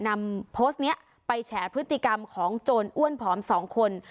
นำโพสต์นี้ไปแฉพฤติกรรมของโจรอ้วนผอมสองคน